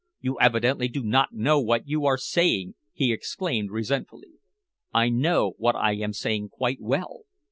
You evidently do not know what you are saying," he exclaimed resentfully. "I know what I am saying quite well.